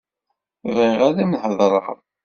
Bɣiɣ ad am-heḍṛeɣ.